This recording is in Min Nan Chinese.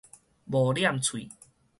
無殮喙